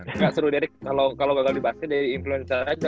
ya gak seru derek kalau gagal di basket dari influencer aja